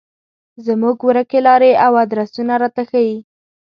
زموږ ورکې لارې او ادرسونه راته ښيي.